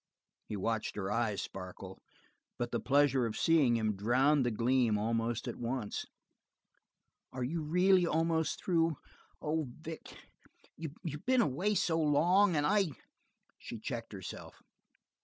He watched her eyes sparkle, but the pleasure of seeing him drowned the gleam almost at once. "Are you really almost through? Oh, Vic, you've been away so long, and I " She checked herself.